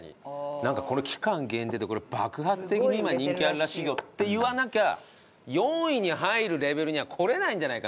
なんかこれ期間限定でこれ爆発的に今人気あるらしいよって言わなきゃ４位に入るレベルにはこれないんじゃないか。